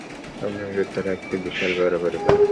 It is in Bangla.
অগ্নিযোদ্ধারা একটা বিশাল বড় পরিবার।